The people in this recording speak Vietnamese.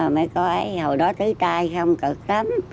mấy cô ấy hồi đó tứ tai không cực lắm